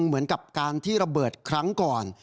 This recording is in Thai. เหมือนกับการที่ระเบิดครั้งก่อน